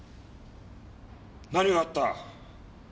何があった？